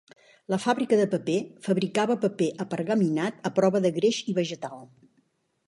La fàbrica de paper fabricava paper apergaminat a prova de greix i vegetal.